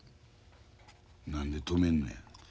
何で止めんのや？